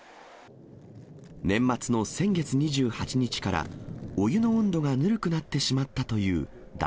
年末の先月２８日からお湯の温度がぬるくなってしまったという嶽